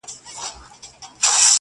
نیکه کیسه کوله!!!